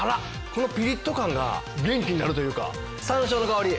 このピリッと感が元気になるというかさんしょうの香り。